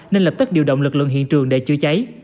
nên lập tức điều động lực lượng hiện trường để chữa cháy